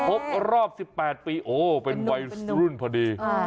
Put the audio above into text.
ครบรอบ๑๘ปีโอ้เป็นวัยรุ่นพอดี